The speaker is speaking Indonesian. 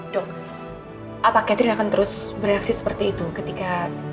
dok apa catherine akan terus bereaksi seperti itu ketika